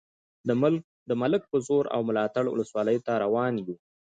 د ملک په زور او ملاتړ ولسوالۍ ته روان یو.